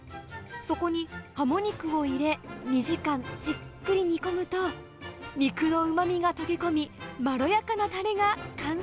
そこにカモ肉を入れ、２時間、じっくり煮込むと、肉のうまみが溶け込み、まろやかなたれが完成。